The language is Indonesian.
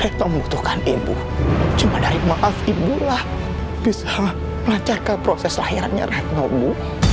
retom butuhkan ibu cuma dari maaf ibu lah bisa melacak proses lahirannya retomu